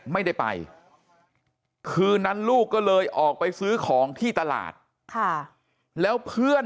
ไม่ได้ไปคืนนั้นลูกก็เลยออกไปซื้อของที่ตลาดค่ะแล้วเพื่อน